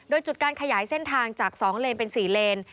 โดยจุดการขยายเส้นทางจาก๒เลนเป็น๔เลน